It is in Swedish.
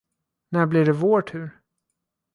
När blir det vår tur?